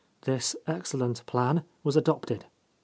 This excellent plan was adopted.